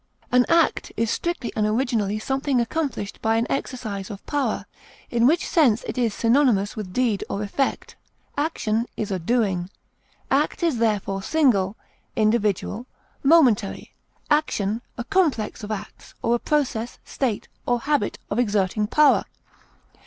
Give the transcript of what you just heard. effect, An act is strictly and originally something accomplished by an exercise of power, in which sense it is synonymous with deed or effect. Action is a doing. Act is therefore single, individual, momentary; action a complex of acts, or a process, state, or habit of exerting power.